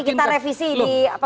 itu nanti kita revisi di apa